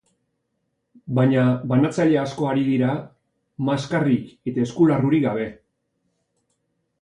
Baina banatzaile asko ari dira maskarrik eta eskularrurik gabe.